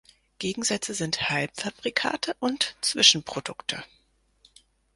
Gegensätze sind Halbfabrikate und Zwischenprodukte.